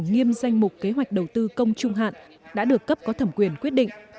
nghiêm danh mục kế hoạch đầu tư công trung hạn đã được cấp có thẩm quyền quyết định